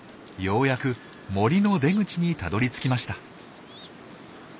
ようやく森の出口にたどりつきました。